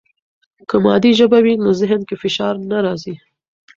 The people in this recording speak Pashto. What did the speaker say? که مادي ژبه وي، نو ذهن کې فشار نه راځي.